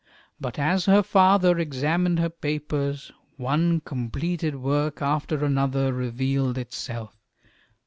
But as her father examined her papers, one completed work after another revealed itself.